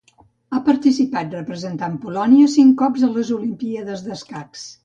Ha participat, representant Polònia, cinc cops a les Olimpíades d'escacs.